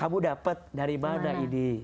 kamu dapat dari mana ini